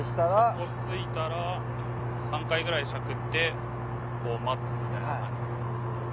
底ついたら３回くらいしゃくって待つみたいな感じっすね。